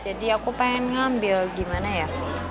jadi aku pengen ngambil gimana ya